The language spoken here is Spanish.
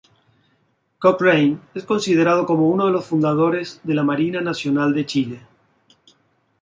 Cochrane es considerado como uno de los fundadores de la Marina Nacional de Chile.